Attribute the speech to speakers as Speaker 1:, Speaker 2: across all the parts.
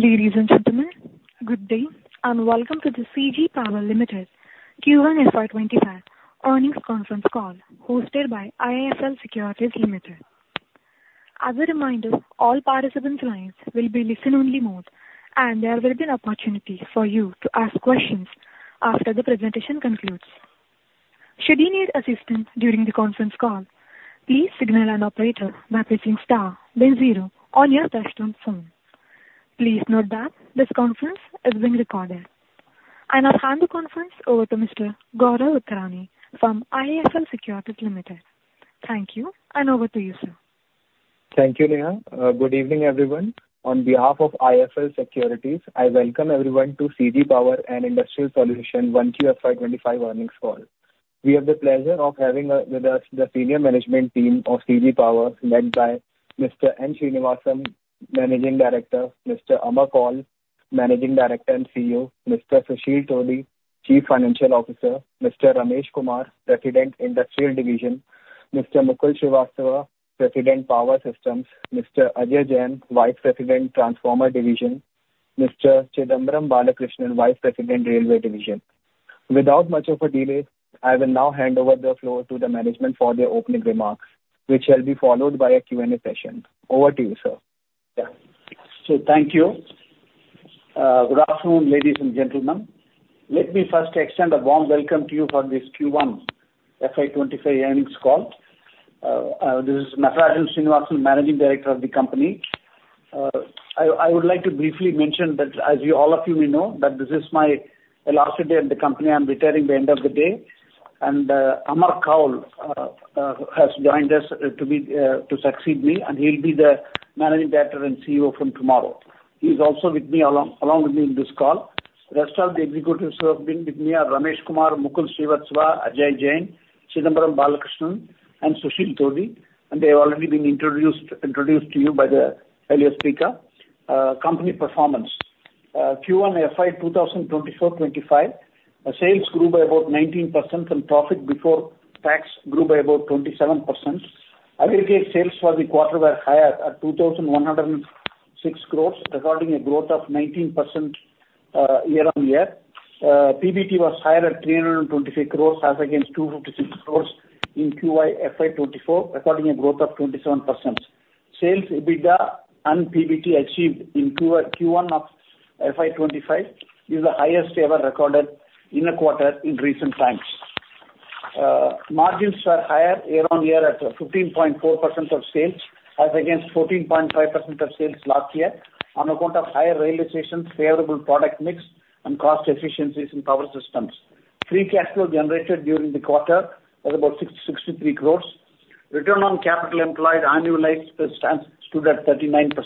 Speaker 1: Ladies and gentlemen, good day and welcome to the CG Power Limited, Q1 FY25 earnings conference call hosted by ISL Securities Limited. As a reminder, all participants' lines will be listen-only mode, and there will be an opportunity for you to ask questions after the presentation concludes. Should you need assistance during the conference call, please signal an operator by pressing star then Zero on your touch-tone phone. Please note that this conference is being recorded. I now hand the conference over to Mr. Gaurav Rateria from ISL Securities Limited. Thank you, and over to you, sir.
Speaker 2: Thank you, Neha. Good evening, everyone. On behalf of ISL Securities, I welcome everyone to CG Power & Industrial Solutions' 1Q SR25 earnings call. We have the pleasure of having with us the senior management team of CG Power, led by Mr. Natarajan Srinivasan, Managing Director. Mr. Amar Kaul, Managing Director and CEO. Mr. Susheel Todi, Chief Financial Officer. Mr. Ramesh Kumar, President, Industrial Division. Mr. Mukul Srivastava, President, Power Systems. Mr. Ajay Jain, Vice President, Transformer Division. Mr. Chidambaram Balakrishnan, Vice President, Railway Division. Without much of a delay, I will now hand over the floor to the management for their opening remarks, which shall be followed by a Q&A session. Over to you, sir.
Speaker 3: Thank you. Good afternoon, ladies and gentlemen. Let me first extend a warm welcome to you for this Q1 FY25 earnings call. This is Natarajan Srinivasan, Managing Director of the company. I would like to briefly mention that, as all of you may know, this is my last day at the company. I'm retiring at the end of the day. Amar Kaul has joined us to succeed me, and he'll be the Managing Director and CEO from tomorrow. He's also along with me in this call. The rest of the executives who have been with me are Ramesh Kumar, Mukul Srivastava, Ajay Jain, Chidambaram Balakrishnan, and Susheel Todi. They have already been introduced to you by the earlier speaker. Company performance: Q1 FY25, sales grew by about 19% from profit before tax grew by about 27%. Aggregate sales for the quarter were higher at 2,106 crores, recording a growth of 19% year-on-year. PBT was higher at 323 crores, as against 256 crores in Q1 FY24, recording a growth of 27%. Sales EBITDA and PBT achieved in Q1 of SR25 is the highest ever recorded in a quarter in recent times. Margins were higher year-on-year at 15.4% of sales, as against 14.5% of sales last year, on account of higher realization, favorable product mix, and cost efficiencies in power systems. Free cash flow generated during the quarter was about 63 crores. Return on capital employed annualized stands to 39%.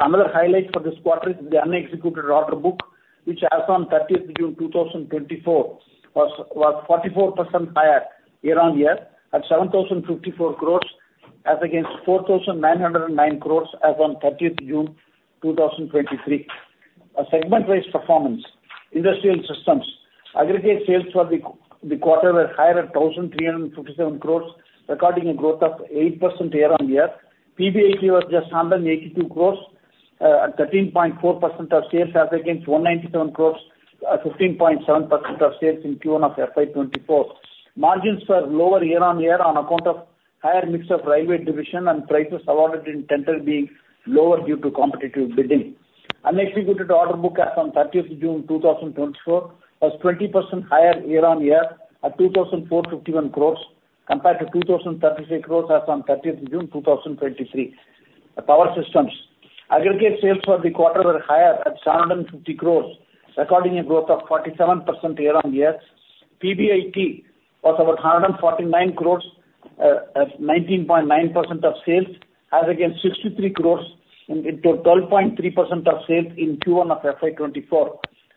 Speaker 3: Another highlight for this quarter is the unexecuted order book, which, as of 30 June 2024, was 44% higher year-on-year at 7,054 crores, as against 4,909 crores as of 30 June 2023. Segment-wise performance: industrial systems. Aggregate sales for the quarter were higher at 1,357 crores, recording a growth of 8% year-on-year. PBT was just 182 crores, at 13.4% of sales, as against 197 crores, 15.7% of sales in Q1 of FY24. Margins were lower year-on-year on account of higher mix of railway division and prices awarded in tender being lower due to competitive bidding. Unexecuted order book, as of 30 June 2024, was 20% higher year-on-year at 2,451 crores, compared to 2,033 crores as of 30 June 2023. Power systems. Aggregate sales for the quarter were higher at 750 crores, recording a growth of 47% year-on-year. PBT was about 149 crores, at 19.9% of sales, as against 63 crores, at 12.3% of sales in Q1 of FY24.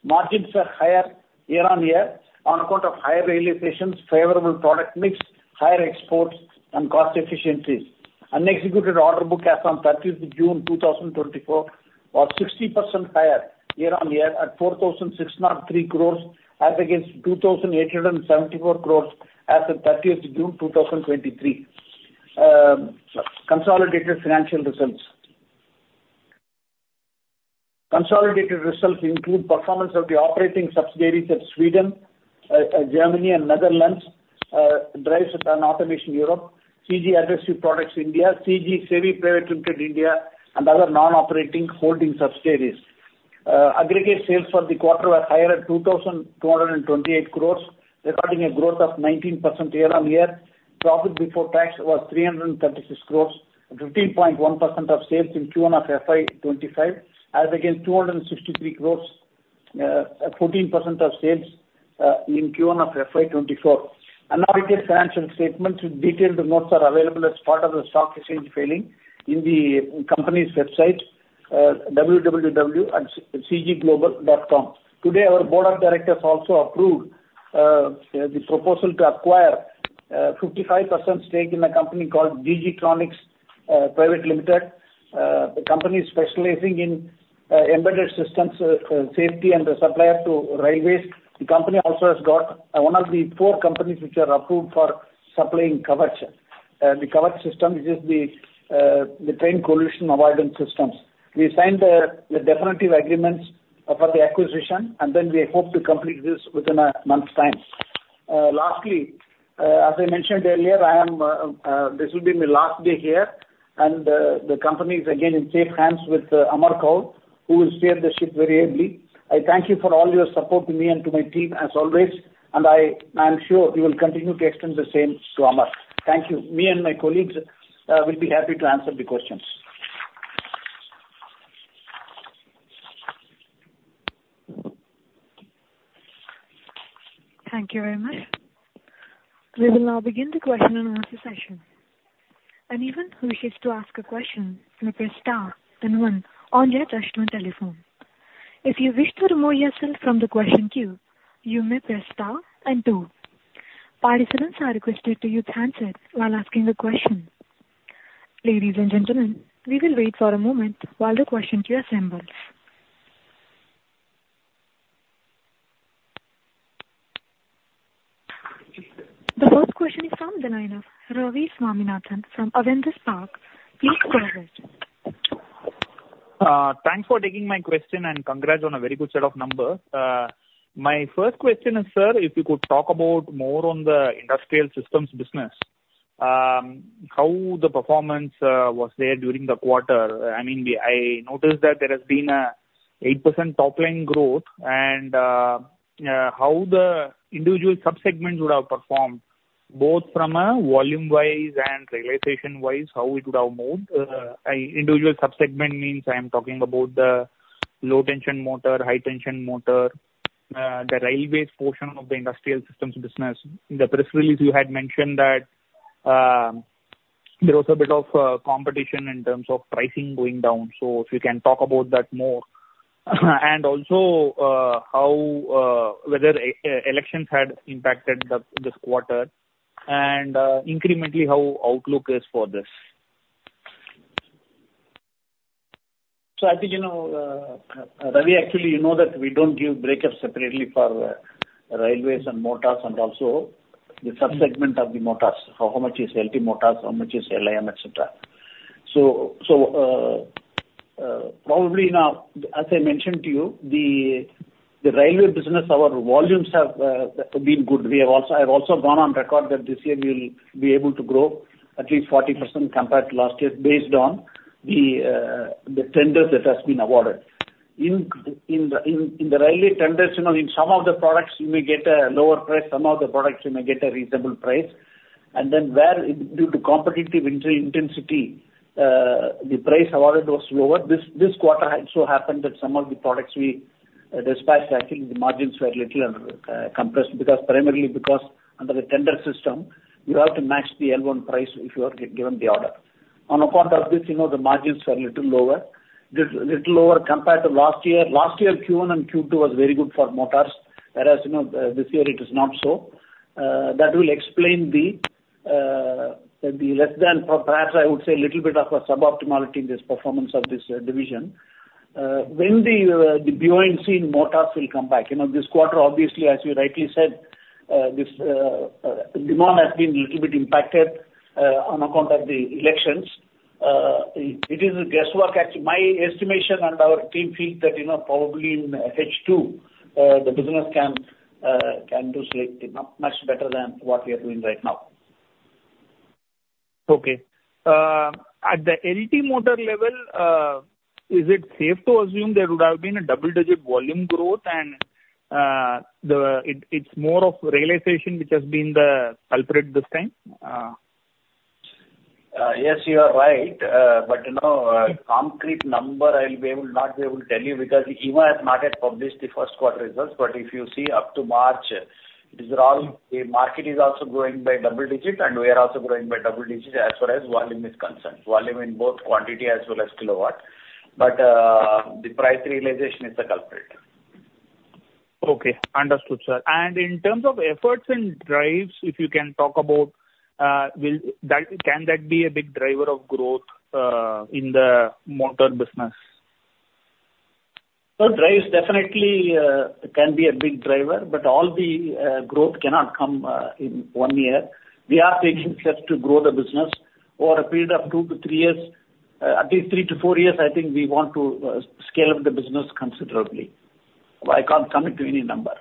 Speaker 3: Margins were higher year-on-year on account of higher realization, favorable product mix, higher exports, and cost efficiencies. Unexecuted order book, as of 30 June 2024, was 60% higher year-on-year at 4,603 crores, as against 2,874 crores as of 30 June 2023. Consolidated financial results include performance of the operating subsidiaries at Sweden, Germany, and Netherlands, Drives and Automation Europe, CG Additive Products India, CG Semi Private Limited India, and other non-operating holding subsidiaries. Aggregate sales for the quarter were higher at 2,228 crores, recording a growth of 19% year-on-year. Profit before tax was 336 crores, 15.1% of sales in Q1 of FY25, as against 263 crores, 14% of sales in Q1 of FY24. An updated financial statement with detailed notes are available as part of the stock exchange filing in the company's website, www.cgglobal.com. Today, our board of directors also approved the proposal to acquire a 55% stake in a company called G.G. Tronics India Private Limited. The company is specializing in embedded systems, safety, and the supplier to railways. The company also has got one of the four companies which are approved for supplying Kavach. The Kavach system is the train collision avoidance systems. We signed the definitive agreements for the acquisition, and then we hope to complete this within a month's time. Lastly, as I mentioned earlier, this will be my last day here, and the company is again in safe hands with Amar Kaul, who will steer the ship very happily. I thank you for all your support to me and to my team, as always, and I am sure we will continue to extend the same to Amar. Thank you. Me and my colleagues will be happy to answer the questions.
Speaker 1: Thank you very much. We will now begin the question and answer session. Anyone who wishes to ask a question may press star and one on your touch-tone telephone. If you wish to remove yourself from the question queue, you may press star and two. Participants are requested to use handset while asking the question. Ladies and gentlemen, we will wait for a moment while the question queue assembles. The first question is from the line of Ravi Swaminathan from Spark Capital. Please go ahead.
Speaker 4: Thanks for taking my question and congrats on a very good set of numbers. My first question is, sir, if you could talk more about the industrial systems business, how the performance was there during the quarter. I mean, I noticed that there has been an 8% top-line growth, and how the individual subsegments would have performed, both from a volume-wise and realization-wise, how it would have moved. Individual subsegment means I am talking about the low-tension motor, high-tension motor, the railways portion of the industrial systems business. In the press release, you had mentioned that there was a bit of competition in terms of pricing going down. So if you can talk about that more, and also whether elections had impacted this quarter, and incrementally how outlook is for this.
Speaker 3: So I think, Ravi, actually, you know that we don't give breakup separately for railways and motors and also the subsegment of the motors. How much is LT motors, how much is LIM, etc. So probably now, as I mentioned to you, the railway business, our volumes have been good. I've also gone on record that this year we'll be able to grow at least 40% compared to last year based on the tenders that have been awarded. In the railway tenders, in some of the products, you may get a lower price. Some of the products, you may get a reasonable price. And then due to competitive intensity, the price awarded was lower. This quarter also happened that some of the products we supplied, actually, the margins were a little compressed primarily because under the tender system, you have to match the L1 price if you are given the order. On account of this, the margins were a little lower, a little lower compared to last year. Last year, Q1 and Q2 was very good for motors, whereas this year it is not so. That will explain the less than perhaps, I would say, a little bit of a sub-optimality in this performance of this division. When the B2C motors will come back, this quarter, obviously, as you rightly said, demand has been a little bit impacted on account of the elections. It is a guesswork. My estimation and our team thinks that probably in H2, the business can do much better than what we are doing right now.
Speaker 4: Okay. At the LT motor level, is it safe to assume there would have been a double-digit volume growth, and it's more of realization which has been the culprit this time?
Speaker 3: Yes, you are right. But concrete number, I'll not be able to tell you because EMA has not yet published the first quarter results. But if you see up to March, the market is also growing by double-digit, and we are also growing by double-digit as far as volume is concerned, volume in both quantity as well as kilowatt. But the price realization is the culprit.
Speaker 4: Okay. Understood, sir. In terms of efforts and drives, if you can talk about, can that be a big driver of growth in the motor business?
Speaker 3: Drives definitely can be a big driver, but all the growth cannot come in 1 year. We are taking steps to grow the business over a period of 2-3 years, at least 3-4 years. I think we want to scale up the business considerably. I can't commit to any number.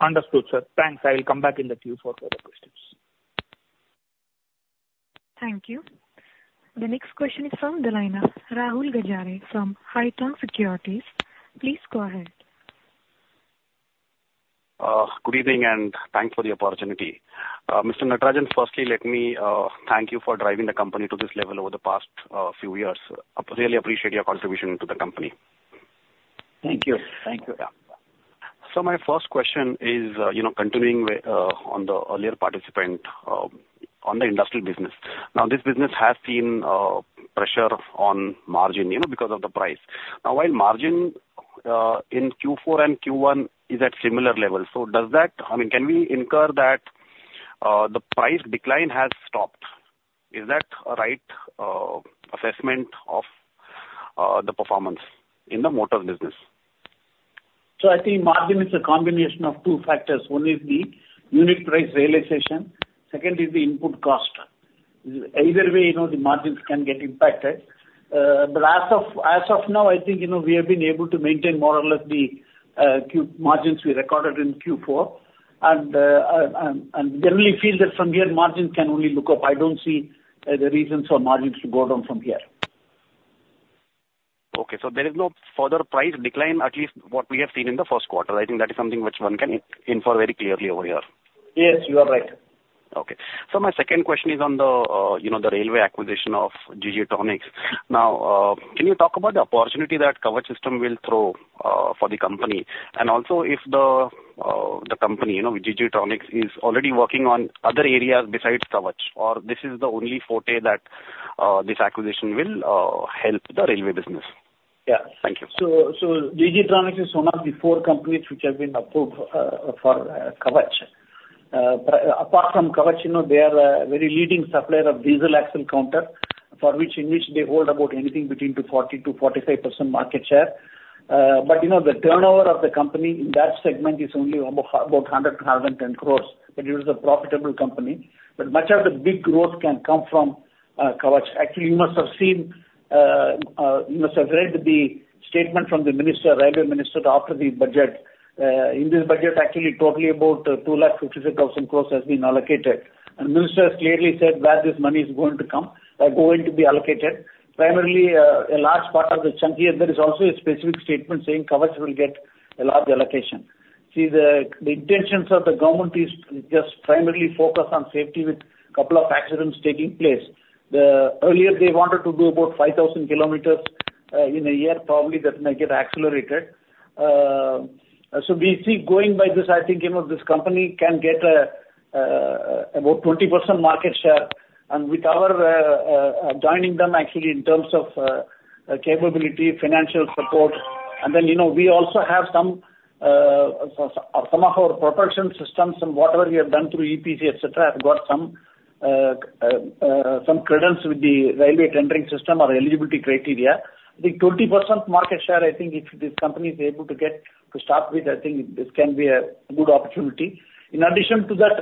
Speaker 4: Understood, sir. Thanks. I will come back in the queue for further questions.
Speaker 1: Thank you. The next question is from the line of Rahul Gajare from Haitong Securities. Please go ahead.
Speaker 5: Good evening, and thanks for the opportunity. Mr. Natarajan, firstly, let me thank you for driving the company to this level over the past few years. Really appreciate your contribution to the company.
Speaker 3: Thank you. Thank you.
Speaker 5: My first question is continuing on the earlier participant on the industrial business. Now, this business has seen pressure on margin because of the price. Now, while margin in Q4 and Q1 is at similar levels, so does that I mean, can we infer that the price decline has stopped? Is that a right assessment of the performance in the motor business?
Speaker 3: I think margin is a combination of two factors. One is the unit price realization. Second is the input cost. Either way, the margins can get impacted. But as of now, I think we have been able to maintain more or less the margins we recorded in Q4. Generally, I feel that from here, margins can only look up. I don't see the reasons for margins to go down from here.
Speaker 5: Okay. So there is no further price decline, at least what we have seen in the first quarter. I think that is something which one can infer very clearly over here.
Speaker 3: Yes, you are right.
Speaker 5: Okay. So my second question is on the railway acquisition of GG Tronics. Now, can you talk about the opportunity that Kavach System will throw for the company? And also, if the company GG Tronics is already working on other areas besides Kavach, or this is the only forte that this acquisition will help the railway business?
Speaker 3: Yes.
Speaker 5: Thank you.
Speaker 3: GG Tronics is one of the four companies which have been approved for Covered. Apart from Covered, they are a very leading supplier of Diesel Axle Counter for which they hold about anything between 40%-45% market share. But the turnover of the company in that segment is only about 110 crores. It is a profitable company. But much of the big growth can come from Covered. Actually, you must have seen, you must have read the statement from the Railway Minister after the budget. In this budget, actually, totally about 253,000 crores has been allocated. The minister has clearly said where this money is going to come, where it's going to be allocated. Primarily, a large part of the chunk here, there is also a specific statement saying Covered will get a large allocation. See, the intentions of the government is just primarily focused on safety with a couple of accidents taking place. Earlier, they wanted to do about 5,000 km in a year. Probably that may get accelerated. So we see going by this, I think this company can get about 20% market share. And with our joining them, actually, in terms of capability, financial support, and then we also have some of our production systems and whatever we have done through EPC, etc., have got some credence with the railway tendering system or eligibility criteria. I think 20% market share, I think if this company is able to get to start with, I think this can be a good opportunity. In addition to that,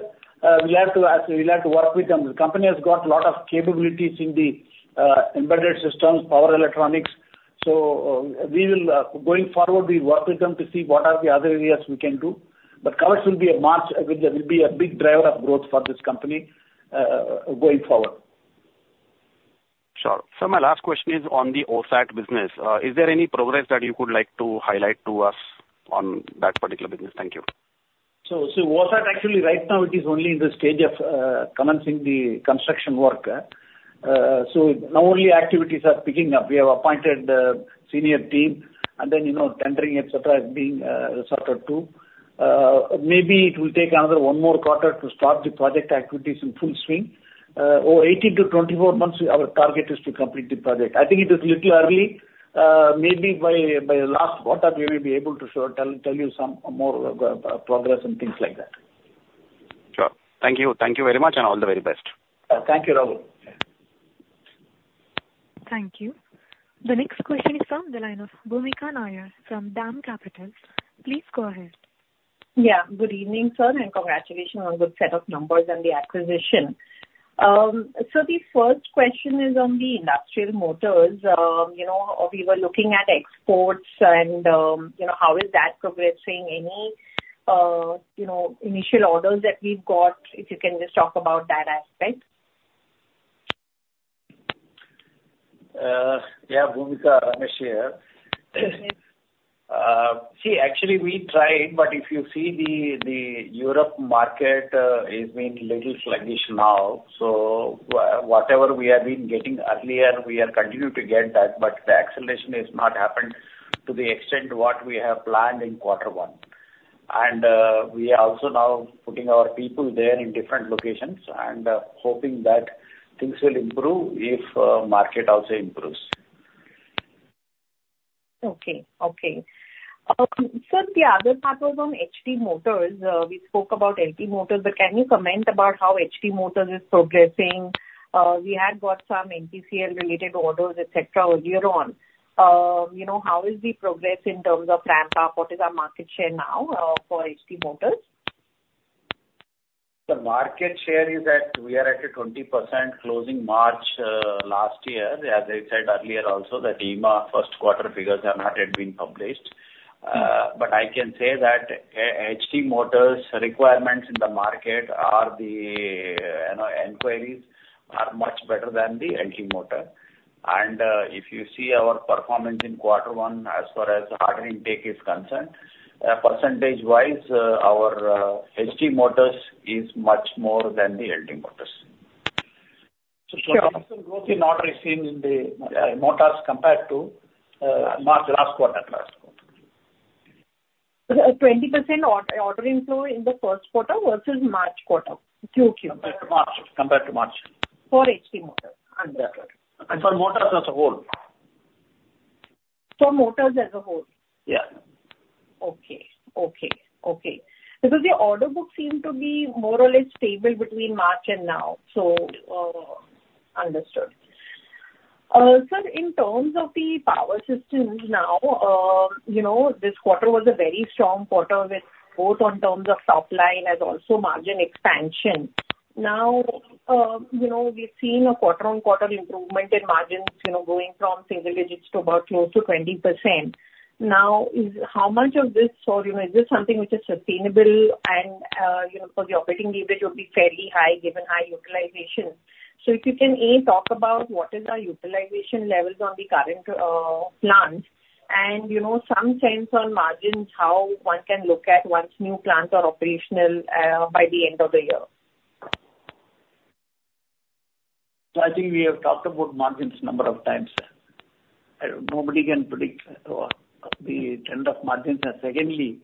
Speaker 3: we'll have to work with them. The company has got a lot of capabilities in the embedded systems, power electronics. So going forward, we'll work with them to see what are the other areas we can do. But Kavach will be a big driver of growth for this company going forward.
Speaker 5: Sure. So my last question is on the OSAT business. Is there any progress that you could like to highlight to us on that particular business? Thank you.
Speaker 3: So OSAT, actually, right now, it is only in the stage of commencing the construction work. So now only activities are picking up. We have appointed the senior team, and then tendering, etc., is being sorted too. Maybe it will take another one more quarter to start the project activities in full swing. Or 18-24 months, our target is to complete the project. I think it is a little early. Maybe by the last quarter, we may be able to tell you some more progress and things like that.
Speaker 5: Sure. Thank you. Thank you very much, and all the very best.
Speaker 3: Thank you, Rahul.
Speaker 1: Thank you. The next question is from the line of Bhoomika Nair from DAM Capital. Please go ahead.
Speaker 6: Yeah. Good evening, sir, and congratulations on a good set of numbers and the acquisition. So the first question is on the industrial motors. We were looking at exports, and how is that progressing? Any initial orders that we've got? If you can just talk about that aspect?
Speaker 3: Yeah, Bhoomika Ramesh here. See, actually, we tried, but if you see, the Europe market is being a little sluggish now. So whatever we have been getting earlier, we are continuing to get that, but the acceleration has not happened to the extent of what we have planned in quarter one. We are also now putting our people there in different locations and hoping that things will improve if the market also improves.
Speaker 6: Okay. Okay. So the other part was on HT Motors. We spoke about LT Motors, but can you comment about how HT Motors is progressing? We had got some NPCL-related orders, etc., earlier on. How is the progress in terms of ramp-up? What is our market share now for HT Motors?
Speaker 3: The market share is that we are at a 20% closing March last year. As I said earlier, also, the EMA first quarter figures have not yet been published. But I can say that HT Motors' requirements in the market are the inquiries are much better than the LT Motor. And if you see our performance in quarter one as far as the ordering take is concerned, percentage-wise, our HT Motors is much more than the LT Motors. So the growth is not received in the motors compared to last quarter.
Speaker 6: 20% ordering flow in the first quarter versus March quarter. QQ.
Speaker 3: March. Compared to March.
Speaker 6: For HT Motors?
Speaker 3: For motors as a whole.
Speaker 6: For motors as a whole.
Speaker 3: Yeah.
Speaker 6: Okay. Okay. Okay. Because the order book seemed to be more or less stable between March and now. So understood. Sir, in terms of the power systems now, this quarter was a very strong quarter both in terms of top line and also margin expansion. Now, we've seen a quarter-on-quarter improvement in margins going from single digits to about close to 20%. Now, how much of this is this something which is sustainable? And for the operating leverage, it would be fairly high given high utilization. So if you can talk about what are the utilization levels on the current plants and some sense on margins, how one can look at once new plants are operational by the end of the year?
Speaker 3: So I think we have talked about margins a number of times. Nobody can predict the end of margins. And secondly,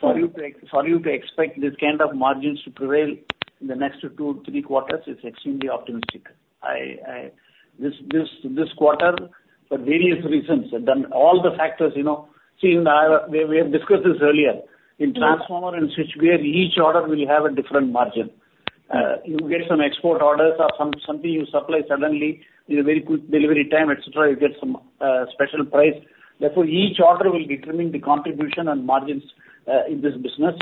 Speaker 3: for you to expect this kind of margins to prevail in the next 2-3 quarters is extremely optimistic. This quarter, for various reasons, all the factors seen, we have discussed this earlier. In transformer and switchgear, each order will have a different margin. You get some export orders or something you supply suddenly with a very quick delivery time, etc., you get some special price. Therefore, each order will determine the contribution and margins in this business.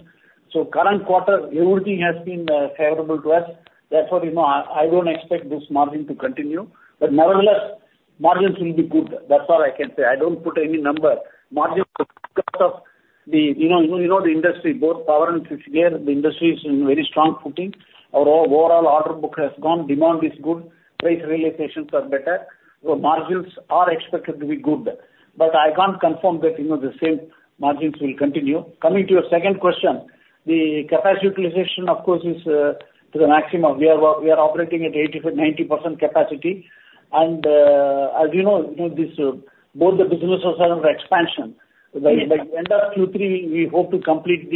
Speaker 3: So current quarter, everything has been favorable to us. Therefore, I don't expect this margin to continue. But nevertheless, margins will be good. That's all I can say. I don't put any number. Margins, because of, you know, the industry, both power and switchgear, the industry is in very strong footing. Our overall order book has gone. Demand is good. Price realizations are better. So margins are expected to be good. But I can't confirm that the same margins will continue. Coming to your second question, the capacity utilization, of course, is to the maximum. We are operating at 80%-90% capacity. And as you know, both the businesses are under expansion. By the end of Q3, we hope to complete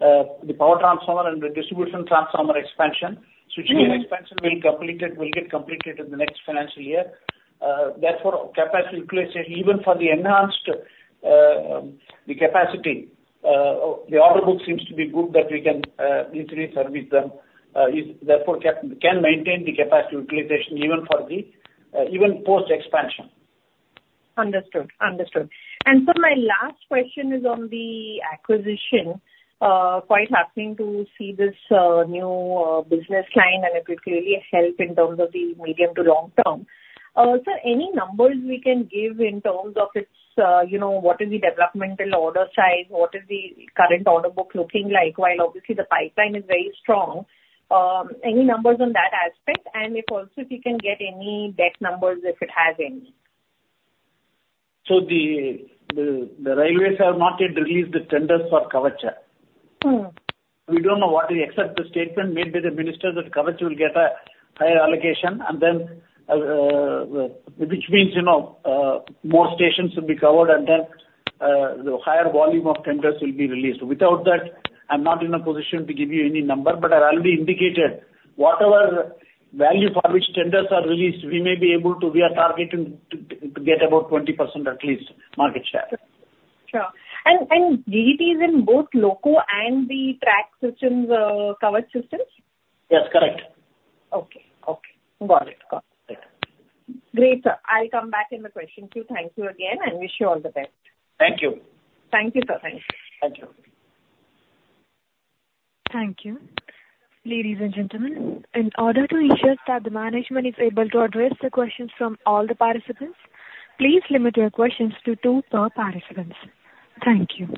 Speaker 3: the power transformer and the distribution transformer expansion. Switchgear expansion will get completed in the next financial year. Therefore, capacity utilization, even for the enhanced capacity, the order book seems to be good that we can easily service them. Therefore, we can maintain the capacity utilization even post-expansion.
Speaker 6: Understood. Understood. And sir, my last question is on the acquisition. Quite happening to see this new business line, and it will clearly help in terms of the medium to long term. Sir, any numbers we can give in terms of what is the developmental order size? What is the current order book looking like? While, obviously, the pipeline is very strong. Any numbers on that aspect? And if also, if you can get any debt numbers, if it has any.
Speaker 3: So the railways have not yet released the tenders for Covered. We don't know what it is. Except the statement made by the minister that Covered will get a higher allocation, which means more stations will be covered, and then the higher volume of tenders will be released. Without that, I'm not in a position to give you any number, but I've already indicated whatever value for which tenders are released, we are targeting to get about 20% at least market share.
Speaker 6: Sure. And GDP is in both loco and the track systems, Covered systems?
Speaker 3: Yes, correct.
Speaker 6: Okay. Okay. Got it. Got it. Great, sir. I'll come back in the question queue. Thank you again, and wish you all the best.
Speaker 3: Thank you.
Speaker 6: Thank you, sir. Thank you.
Speaker 3: Thank you.
Speaker 1: Thank you. Ladies and gentlemen, in order to ensure that the management is able to address the questions from all the participants, please limit your questions to two per participant. Thank you.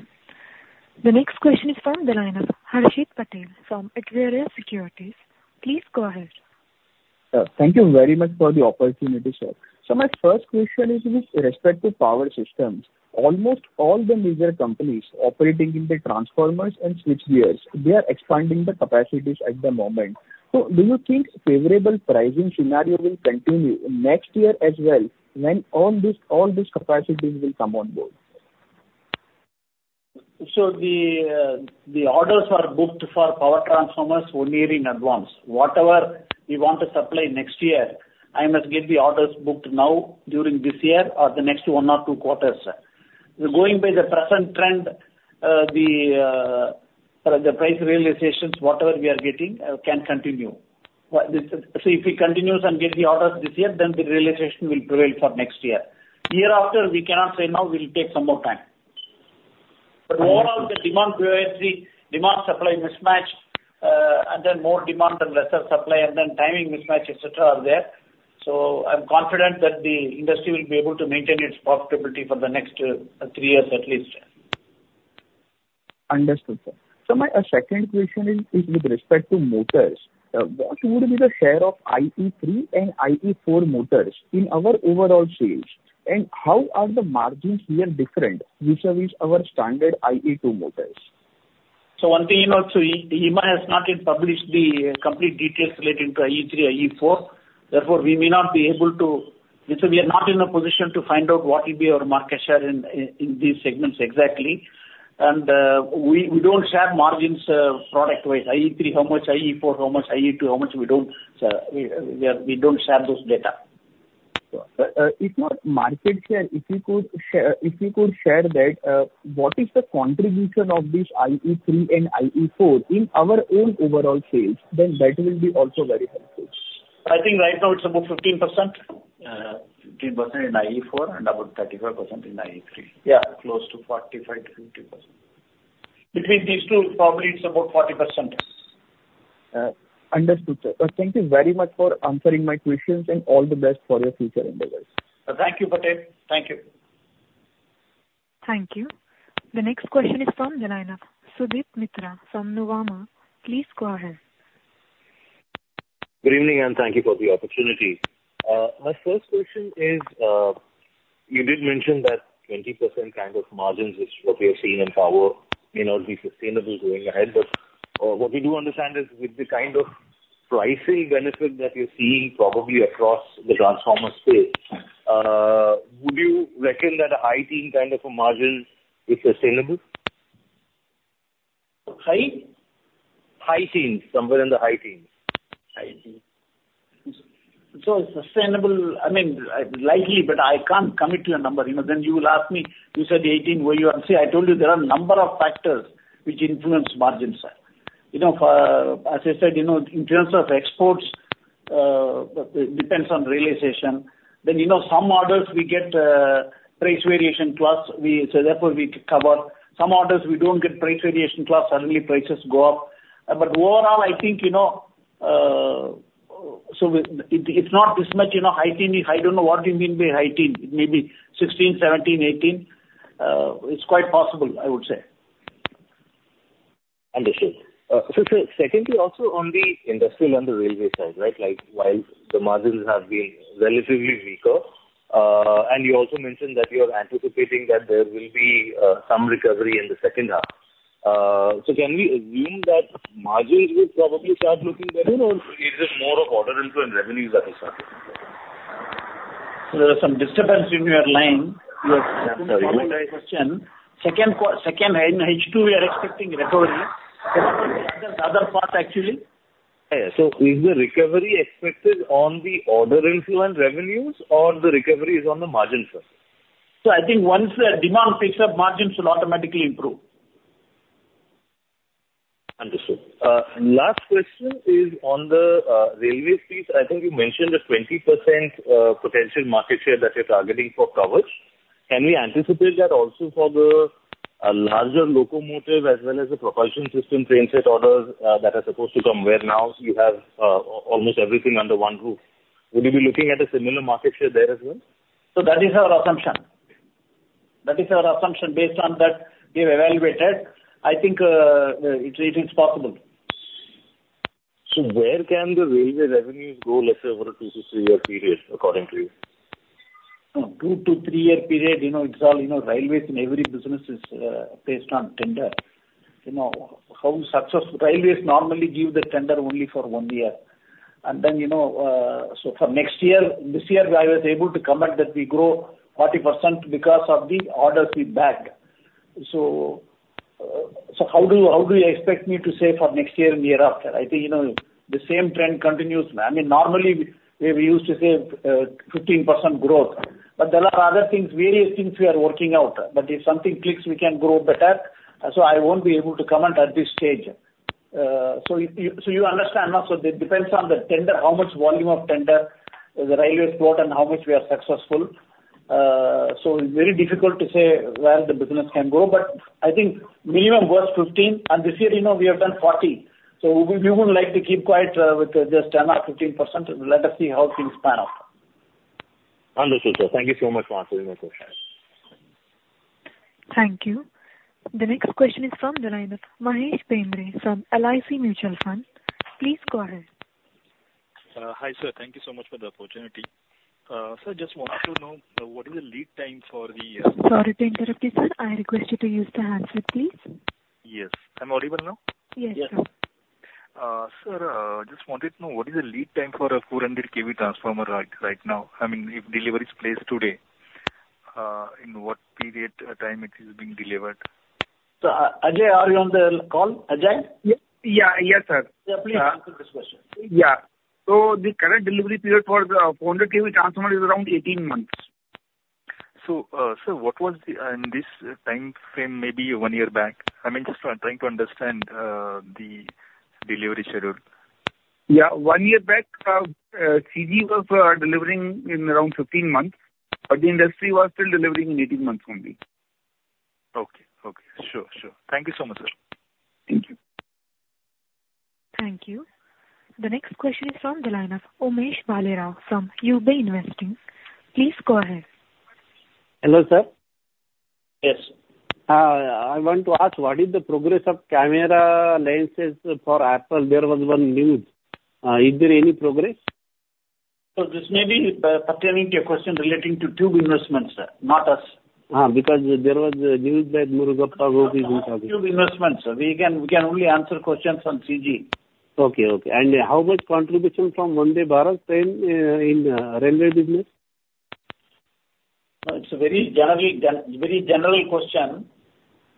Speaker 1: The next question is from the line of Harshit Patel from Equirus Securities. Please go ahead.
Speaker 7: Thank you very much for the opportunity, sir. So my first question is with respect to power systems. Almost all the major companies operating in the transformers and switchgears, they are expanding the capacities at the moment. So do you think favorable pricing scenario will continue next year as well when all these capacities will come on board?
Speaker 3: So the orders are booked for power transformers one year in advance. Whatever we want to supply next year, I must get the orders booked now during this year or the next one or two quarters. Going by the present trend, the price realizations, whatever we are getting, can continue. So if it continues and gets the orders this year, then the realization will prevail for next year. Year after, we cannot say now will take some more time. But overall, the demand supply mismatch, and then more demand and lesser supply, and then timing mismatch, etc., are there. So I'm confident that the industry will be able to maintain its profitability for the next three years at least.
Speaker 7: Understood, sir. So my second question is with respect to motors. What would be the share of IE3 and IE4 motors in our overall sales? And how are the margins here different vis-à-vis our standard IE2 motors?
Speaker 3: So one thing, you know, EMA has not yet published the complete details relating to IE3, IE4. Therefore, we may not be able to because we are not in a position to find out what will be our market share in these segments exactly. And we don't share margins product-wise. IE3, how much? IE4, how much? IE2, how much? We don't share those data.
Speaker 7: If not market share, if you could share that, what is the contribution of this IE3 and IE4 in our own overall sales? Then that will be also very helpful.
Speaker 3: I think right now it's about 15%. 15% in IE4 and about 35% in IE3. Yeah, close to 45%-50%. Between these two, probably it's about 40%.
Speaker 7: Understood, sir. Thank you very much for answering my questions, and all the best for your future endeavors.
Speaker 3: Thank you, Patel. Thank you.
Speaker 1: Thank you. The next question is from the line of Sudip Mitra from Nuvama. Please go ahead.
Speaker 8: Good evening, and thank you for the opportunity. My first question is, you did mention that 20% kind of margins is what we have seen in power. May not be sustainable going ahead, but what we do understand is with the kind of pricing benefit that you're seeing probably across the transformer space, would you reckon that a high-teens kind of a margin is sustainable?
Speaker 3: High? teens, somewhere in the high teens. High-teens. So sustainable, I mean, likely, but I can't commit to a number. Then you will ask me, you said 18, where you are? See, I told you there are a number of factors which influence margins. As I said, in terms of exports, it depends on realization. Then some orders, we get price variation plus, so therefore we cover. Some orders, we don't get price variation plus, suddenly prices go up. But overall, I think so it's not this much high-teens. I don't know what do you mean by high-teens. It may be 16, 17, 18. It's quite possible, I would say.
Speaker 8: Understood. So sir, secondly, also on the industrial and the railway side, right, while the margins have been relatively weaker, and you also mentioned that you're anticipating that there will be some recovery in the second half. So can we assume that margins will probably start looking better, or is it more of order intake and revenues
Speaker 3: There are some disturbance in your line.
Speaker 8: I'm sorry.
Speaker 3: Second, in H2, we are expecting recovery. The other part, actually.
Speaker 8: Is the recovery expected on the order inflows revenues, or the recovery is on the margins?
Speaker 3: I think once the demand picks up, margins will automatically improve.
Speaker 8: Understood. Last question is on the railway space. I think you mentioned a 20% potential market share that you're targeting for Kavach. Can we anticipate that also for the larger locomotive as well as the propulsion system trainset orders that are supposed to come where now you have almost everything under one roof? Would you be looking at a similar market share there as well?
Speaker 3: That is our assumption. That is our assumption based on that we have evaluated. I think it is possible.
Speaker 8: Where can the railway revenues go lesser over a 2-3-year period, according to you?
Speaker 3: Two- to three-year period, it's all railways. In every business is based on tender. Railways normally give the tender only for one year. And then so for next year, this year, I was able to comment that we grow 40% because of the orders we bagged. So how do you expect me to say for next year and year after? I think the same trend continues. I mean, normally, we used to say 15% growth. But there are other things, various things we are working out. But if something clicks, we can grow better. So I won't be able to comment at this stage. So you understand, no? So it depends on the tender, how much volume of tender the railways brought and how much we are successful. So it's very difficult to say where the business can grow. But I think minimum worth 15%. This year, we have done 40. We wouldn't like to keep quiet with just 10 or 15%. Let us see how things pan out.
Speaker 8: Understood, sir. Thank you so much for answering my question.
Speaker 1: Thank you. The next question is from the line of Mahesh Bendre from LIC Mutual Fund. Please go ahead.
Speaker 9: Hi sir. Thank you so much for the opportunity. Sir, just wanted to know what is the lead time for the.
Speaker 1: Sorry to interrupt you, sir. I request you to use the handset, please.
Speaker 9: Yes. I'm audible now?
Speaker 1: Yes, sir.
Speaker 9: Sir, I just wanted to know what is the lead time for a 400 kV transformer right now? I mean, if delivery is placed today, in what period of time it is being delivered?
Speaker 3: Ajay, are you on the call? Ajay?
Speaker 10: Yeah. Yes, sir.
Speaker 3: Yeah, please answer this question.
Speaker 10: Yeah. So the current delivery period for the 400 kV transformer is around 18 months.
Speaker 9: Sir, what was the in this time frame, maybe one year back? I mean, just trying to understand the delivery schedule.
Speaker 10: Yeah. One year back, CG was delivering in around 15 months, but the industry was still delivering in 18 months only.
Speaker 9: Okay. Okay. Sure. Sure. Thank you so much, sir.
Speaker 10: Thank you.
Speaker 1: Thank you. The next question is from the line of Umesh Bhalerao from UB Investing. Please go ahead.
Speaker 11: Hello sir?
Speaker 3: Yes.
Speaker 11: I want to ask, what is the progress of camera lenses for Apple? There was one news. Is there any progress?
Speaker 3: This may be pertaining to your question relating to Tube Investments, sir, not us.
Speaker 11: Because there was news that Murugappa is in talks.
Speaker 3: Tube Investments, sir. We can only answer questions on CG.
Speaker 11: Okay. Okay. And how much contribution from Vande Bharat in railway business?
Speaker 3: It's a very general question.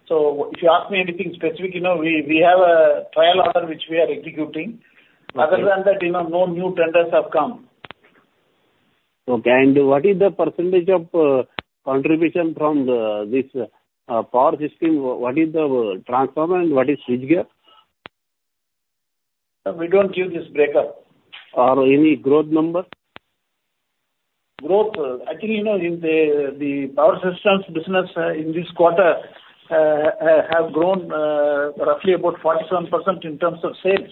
Speaker 3: So if you ask me anything specific, we have a trial order which we are executing. Other than that, no new tenders have come.
Speaker 11: Okay. And what is the percentage of contribution from this power system? What is the transformer and what is switchgear?
Speaker 3: We don't give this breakup.
Speaker 11: Or any growth number?
Speaker 3: Growth? Actually, the power systems business in this quarter has grown roughly about 47% in terms of sales.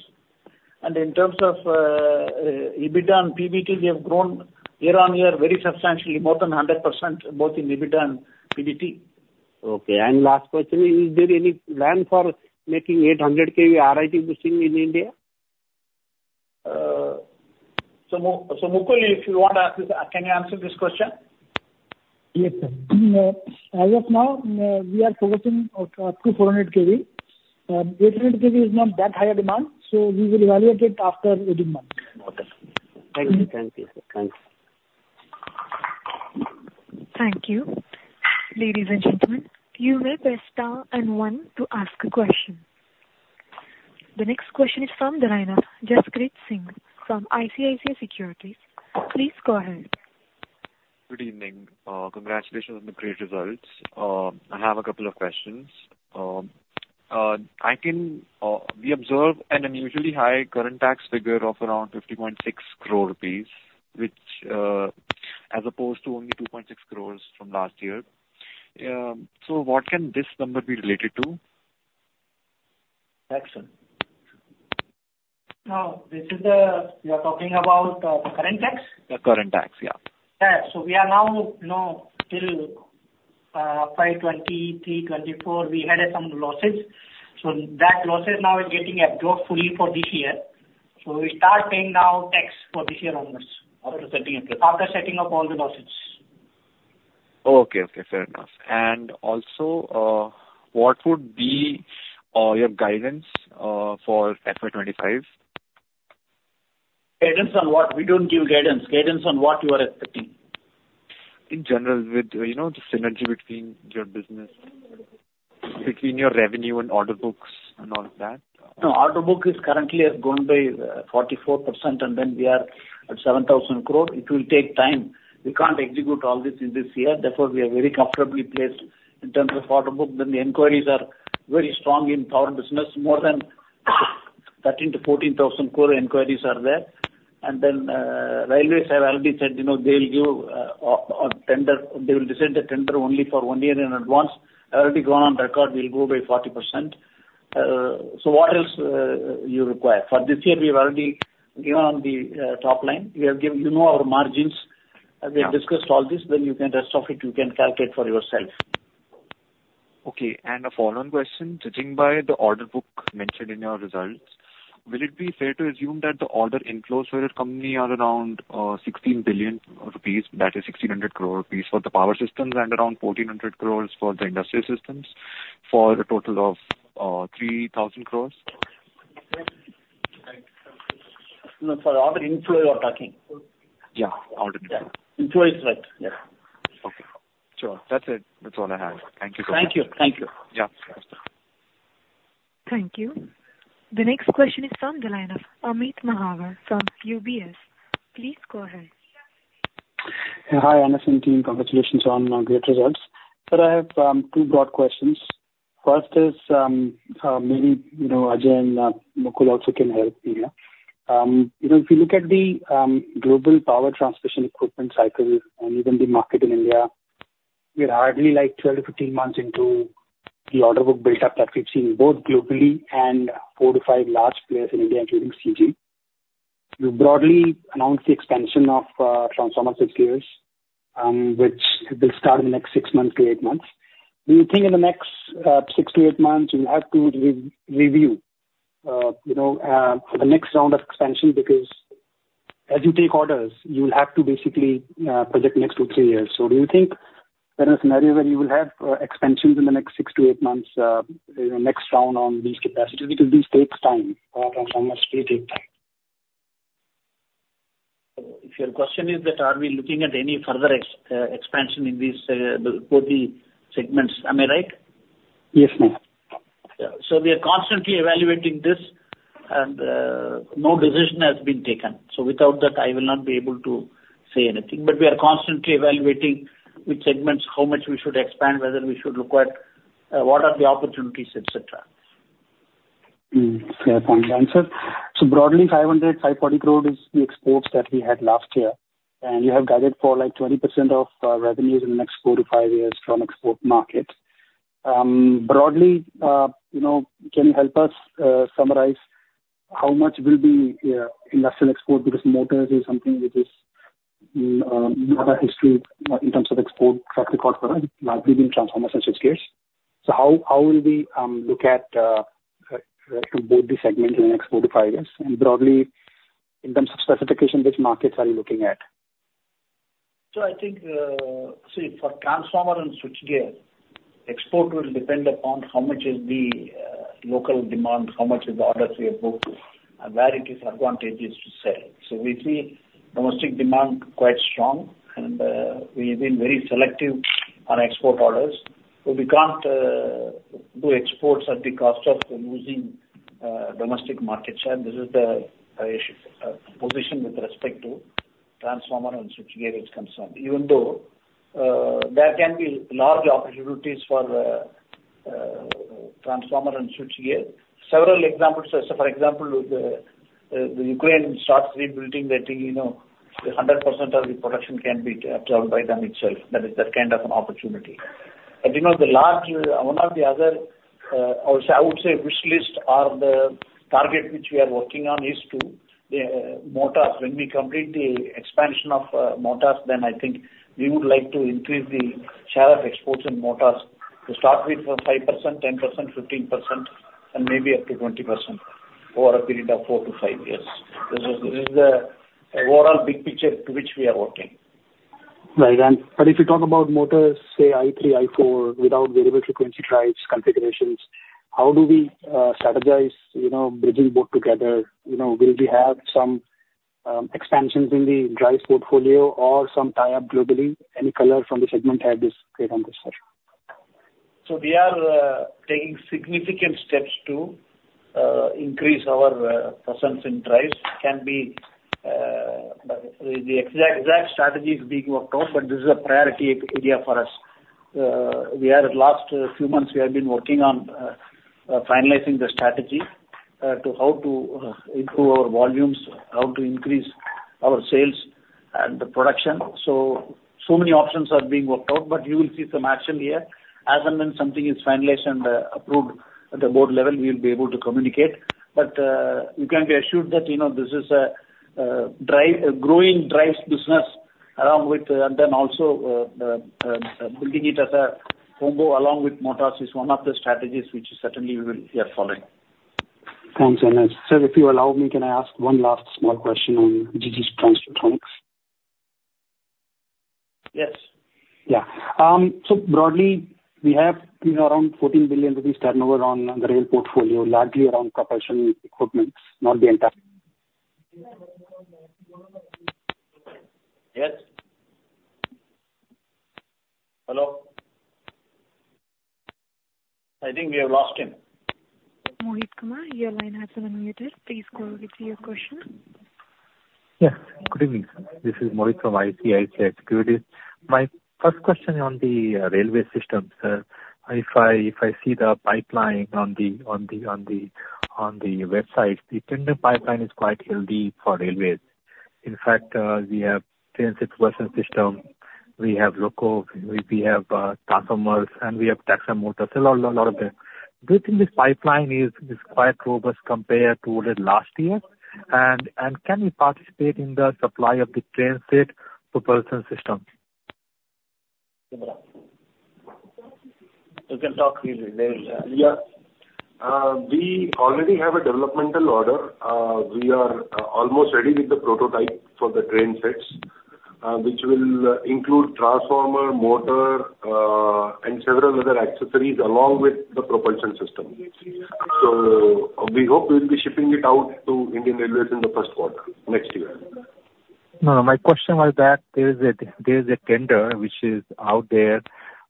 Speaker 3: In terms of EBITDA and PBT, they have grown year-over-year very substantially, more than 100%, both in EBITDA and PBT.
Speaker 11: Okay. And last question, is there any plan for making 800 kV RIP bushing in India?
Speaker 3: So Mukul, if you want to ask this, can you answer this question?
Speaker 12: Yes, sir. As of now, we are focusing up to 400 kV. 800 kV is not that high a demand, so we will evaluate it after 18 months.
Speaker 11: Okay. Thank you. Thank you, sir. Thanks.
Speaker 1: Thank you. Ladies and gentlemen, you may press star and one to ask a question. The next question is from the line of Jaspreet Singh from ICICI Securities. Please go ahead.
Speaker 13: Good evening. Congratulations on the great results. I have a couple of questions. We observe an unusually high current tax figure of around 50.6 crore rupees, which as opposed to only 2.6 crore from last year. So what can this number be related to?
Speaker 3: Excellent.
Speaker 14: Oh, this is the one you are talking about, the current tax?
Speaker 13: The current tax, yeah.
Speaker 14: Yeah. So we are now till 5/20/2020, 3/24/2024, we had some losses. So that losses now is getting absorbed fully for this year. So we start paying now tax for this year onwards.
Speaker 13: After setting up the.
Speaker 14: After setting up all the losses.
Speaker 13: Okay. Okay. Fair enough. Also, what would be your guidance for FY25?
Speaker 3: Guidance on what? We don't give guidance. Guidance on what you are expecting?
Speaker 13: In general, with the synergy between your business, between your revenue and order books and all that.
Speaker 3: No, order book is currently going by 44%, and then we are at 7,000 crore. It will take time. We can't execute all this in this year. Therefore, we are very comfortably placed in terms of order book. Then the inquiries are very strong in power business. More than 13,000-14,000 crore inquiries are there. And then railways have already said they'll give a tender they will resend the tender only for one year in advance. Already gone on record, we'll go by 40%. So what else you require? For this year, we have already given on the top line. You know our margins. We have discussed all this. Then you can rest of it, you can calculate for yourself.
Speaker 13: Okay. A follow-on question. Judging by the order book mentioned in your results, will it be fair to assume that the order inflows with the company are around 16 billion rupees, that is 1,600 crore rupees for the power systems and around 1,400 crores for the industrial systems for a total of 3,000 crores?
Speaker 3: No, for order inflow you are talking.
Speaker 13: Yeah. Order inflow.
Speaker 3: Yeah. Inflow is right. Yes.
Speaker 13: Okay. Sure. That's it. That's all I have. Thank you so much.
Speaker 3: Thank you. Thank you.
Speaker 13: Yeah.
Speaker 1: Thank you. The next question is from the line of Amit Mahawar from UBS. Please go ahead.
Speaker 15: Hi, Anderson team. Congratulations on great results. Sir, I have two broad questions. First is maybe Ajay and Mukul also can help here. If you look at the global power transmission equipment cycle and even the market in India, we're hardly like 12-15 months into the order book build-up that we've seen both globally and 4-5 large players in India, including CG. You broadly announced the expansion of transformer subsidiaries, which will start in the next 6-8 months. Do you think in the next 6-8 months you will have to review for the next round of expansion? Because as you take orders, you will have to basically project the next 2-3 years. So do you think there is a scenario where you will have expansions in the next 6-8 months, next round on these capacities? Because these take time. Transformers really take time.
Speaker 3: So, if your question is that are we looking at any further expansion in these segments, am I right?
Speaker 15: Yes, ma'am.
Speaker 3: Yeah. So we are constantly evaluating this, and no decision has been taken. So without that, I will not be able to say anything. But we are constantly evaluating which segments, how much we should expand, whether we should look at what are the opportunities, etc.
Speaker 15: Fair point, answer. So broadly, 500 crore-540 crore is the exports that we had last year. And you have guided for like 20% of revenues in the next 4-5 years from export market. Broadly, can you help us summarize how much will be industrial export? Because motors is something which is not our history in terms of export track record for us, largely being transformers and subsidiaries. So how will we look at both these segments in the next 4-5 years? And broadly, in terms of specification, which markets are you looking at?
Speaker 3: So I think, see, for transformer and switchgear, export will depend upon how much is the local demand, how much is the orders we have booked, and where it is advantageous to sell. So we see domestic demand quite strong, and we have been very selective on export orders. So we can't do exports at the cost of losing domestic market share. This is the position with respect to transformer and switchgear is concerned. Even though there can be large opportunities for transformer and switchgear, several examples, for example, the Ukraine starts rebuilding, they think 100% of the production can be absorbed by them itself. That is that kind of an opportunity. But the large, one of the other I would say wish list or the target which we are working on is to motors. When we complete the expansion of motors, then I think we would like to increase the share of exports in motors to start with 5%, 10%, 15%, and maybe up to 20% over a period of four to five years. This is the overall big picture to which we are working.
Speaker 15: Right. But if you talk about motors, say IE3, IE4, without variable frequency drives configurations, how do we strategize bridging both together? Will we have some expansions in the drives portfolio or some tie-up globally? Any color from the segment head is great on this session.
Speaker 3: So we are taking significant steps to increase our presence in drives. But the exact strategy is being worked out, but this is a priority area for us. In the last few months, we have been working on finalizing the strategy to how to improve our volumes, how to increase our sales and the production. So many options are being worked out, but you will see some action here. As and when something is finalized and approved at the board level, we will be able to communicate. But you can be assured that this is a growing drives business along with, and then also building it as a combo along with motors is one of the strategies which certainly we will be following.
Speaker 15: Thanks, Anas. Sir, if you allow me, can I ask one last small question on GG's transformer?
Speaker 3: Yes.
Speaker 15: Yeah. Broadly, we have around 14 billion rupees turnover on the rail portfolio, largely around propulsion equipment, not the entire.
Speaker 3: Yes. Hello? I think we have lost him.
Speaker 1: Mohit Kumar, your line has been unmuted. Please go ahead with your question.
Speaker 16: Yes. Good evening. This is Mohit from ICICI Securities. My first question on the railway system, sir. If I see the pipeline on the website, the tender pipeline is quite healthy for railways. In fact, we have traction propulsion system. We have locos, we have transformers, and we have HT motors, a lot of them. Do you think this pipeline is quite robust compared to last year? And can we participate in the supply of the traction propulsion system?
Speaker 3: You can talk with.
Speaker 10: Yeah. We already have a developmental order. We are almost ready with the prototype for the train sets, which will include transformer, motor, and several other accessories along with the propulsion system. So we hope we'll be shipping it out to Indian Railways in the first quarter next year.
Speaker 16: No, no. My question was that there is a tender which is out there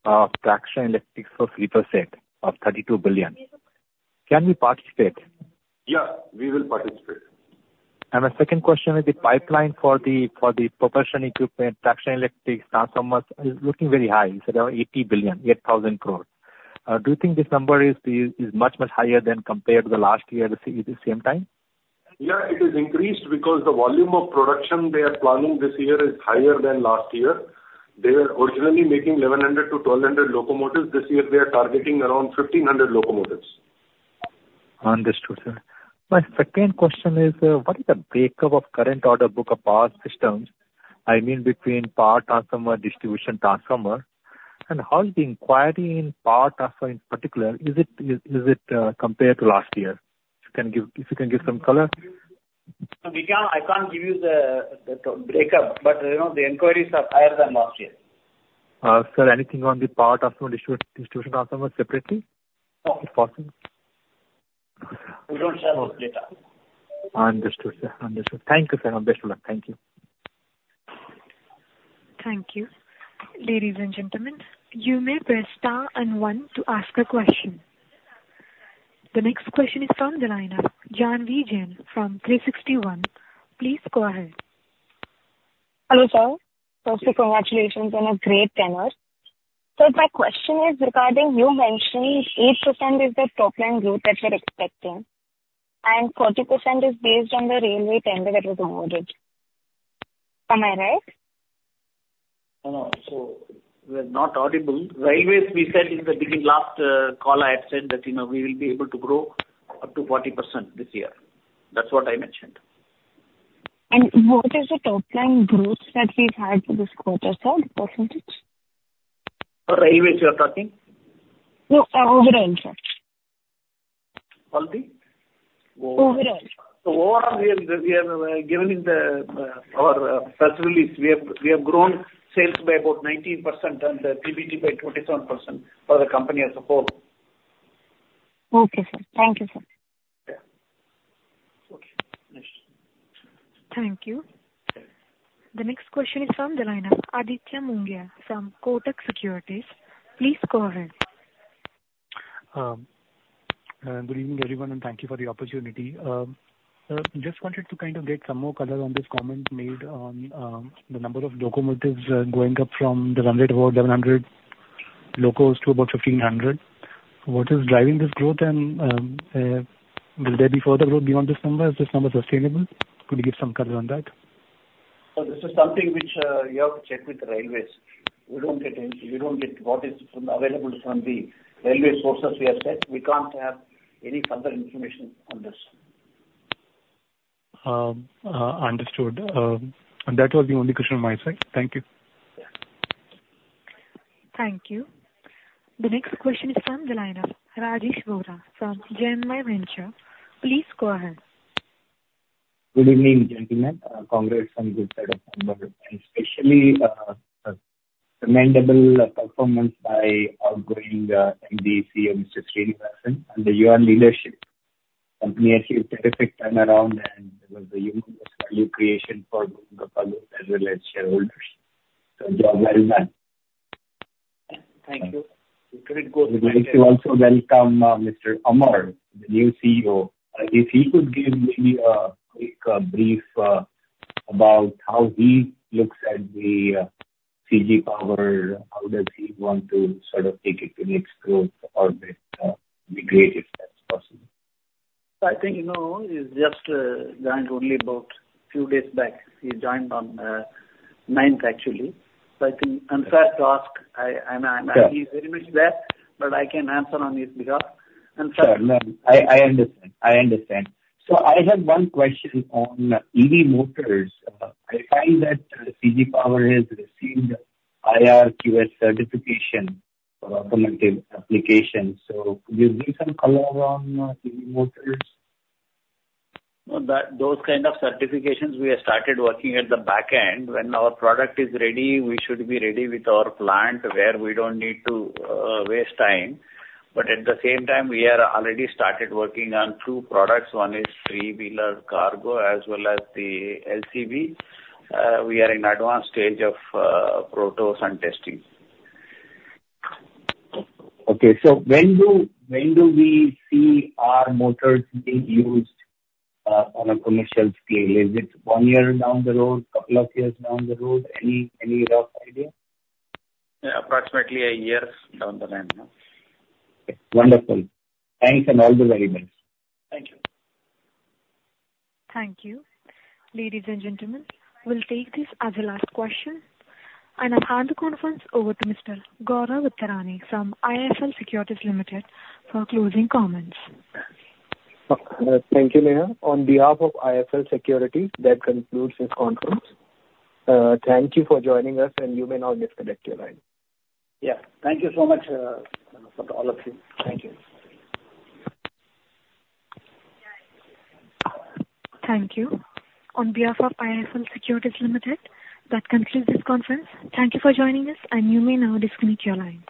Speaker 16: of Traction Electric for 3% of 32 billion. Can we participate?
Speaker 10: Yeah. We will participate.
Speaker 16: My second question is the pipeline for the propulsion equipment, Traction Electric, Transformers is looking very high. You said around 80 billion, 8,000 crore. Do you think this number is much, much higher than compared to the last year at the same time?
Speaker 10: Yeah. It has increased because the volume of production they are planning this year is higher than last year. They were originally making 1,100-1,200 locomotives. This year, they are targeting around 1,500 locomotives.
Speaker 16: Understood, sir. My second question is, what is the breakup of current order book of power systems? I mean, between power transformer, distribution transformer, and how is the inquiry in power transformer in particular? Is it compared to last year? If you can give some color.
Speaker 3: I can't give you the breakup, but the inquiries are higher than last year.
Speaker 16: Sir, anything on the power transformer, distribution transformer separately?
Speaker 3: No.
Speaker 16: If possible.
Speaker 3: We don't share those data.
Speaker 16: Understood, sir. Understood. Thank you, sir. Best of luck. Thank you.
Speaker 1: Thank you. Ladies and gentlemen, you may press star and one to ask a question. The next question is from the line of Jan Vijay from 360 ONE. Please go ahead.
Speaker 17: Hello, sir. First of all, congratulations on a great tenor. So my question is regarding you mentioning 8% is the top line growth that we're expecting, and 40% is based on the railway tender that was awarded. Am I right?
Speaker 3: No, no. It was not audible. Railways, we said in the beginning, last call I had said that we will be able to grow up to 40% this year. That's what I mentioned.
Speaker 17: What is the top line growth that we've had for this quarter, sir? The percentage?
Speaker 3: Railways, you are talking?
Speaker 17: No, overall, sir.
Speaker 3: Overall?
Speaker 17: Overall.
Speaker 3: Overall, we have given in our press release, we have grown sales by about 19% and PBT by 27% for the company as a whole.
Speaker 17: Okay, sir. Thank you, sir.
Speaker 3: Yeah. Okay.
Speaker 1: Thank you. The next question is from the line of Aditya Mongia from Kotak Securities. Please go ahead.
Speaker 18: Good evening, everyone, and thank you for the opportunity. Just wanted to kind of get some more color on this comment made on the number of locomotives going up from 100 to about 1,100 locos to about 1,500. What is driving this growth? Will there be further growth beyond this number? Is this number sustainable? Could you give some color on that?
Speaker 3: So this is something which you have to check with the railways. We don't get what is available from the railway sources we have said. We can't have any further information on this.
Speaker 18: Understood. That was the only question on my side. Thank you.
Speaker 1: Thank you. The next question is from the line of Rajesh Vora from Jainmay Venture. Please go ahead.
Speaker 19: Good evening, gentlemen. Congrats on the strong numbers. And especially commendable performance by outgoing MD & CEO, Mr. Srinivasan, and the new leadership. The company achieved a terrific turnaround, and there was a huge value creation for both the public as well as shareholders. So job well done.
Speaker 3: Thank you.
Speaker 19: We'd like to also welcome Mr. Amar Kaul, the new CEO. If he could give maybe a quick brief about how he looks at the CG Power, how does he want to sort of take it to the next growth orbit, the greatest that's possible.
Speaker 3: So I think he's just joined only about a few days back. He joined on the 9th, actually. So I think I'm asked to ask. I'm very much there, but I can answer on his behalf.
Speaker 19: And Sure. I understand. I understand. So I have one question on EV motors. I find that CG Power has received IRQS certification for automotive applications. So could you give some color on EV motors?
Speaker 3: Those kinds of certifications, we have started working at the back end. When our product is ready, we should be ready with our plant where we don't need to waste time. But at the same time, we have already started working on two products. One is three-wheeler cargo as well as the LCV. We are in advanced stage of protos and testing.
Speaker 19: Okay. So when do we see our motors being used on a commercial scale? Is it one year down the road, a couple of years down the road? Any rough idea?
Speaker 3: Approximately a year down the line.
Speaker 19: Okay. Wonderful. Thanks and all the very best.
Speaker 3: Thank you.
Speaker 1: Thank you. Ladies and gentlemen, we'll take this as a last question. I'll hand the conference over to Mr. Gaurav Rateria from ISL Securities Limited for closing comments.
Speaker 2: Thank you, ma'am. On behalf of ISL Securities, that concludes this conference. Thank you for joining us, and you may now disconnect your line.
Speaker 3: Yeah. Thank you so much for all of you. Thank you.
Speaker 1: Thank you. On behalf of ISL Securities Limited, that concludes this conference. Thank you for joining us, and you may now disconnect your lines.